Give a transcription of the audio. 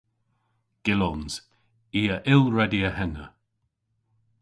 Gyllons. I a yll redya henna.